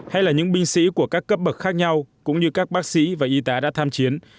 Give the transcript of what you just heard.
hay là những binh sĩ của các cấp bậc khác nhau cũng như các bác sĩ và y tá đã tham chiến